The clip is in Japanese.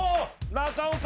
中岡！